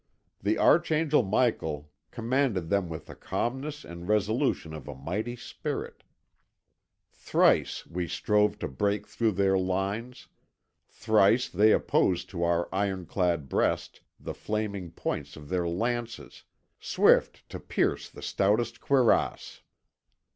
The Archangel Michael commanded them with the calmness and resolution of a mighty spirit. Thrice we strove to break through their lines, thrice they opposed to our ironclad breast the flaming points of their lances, swift to pierce the stoutest cuirass.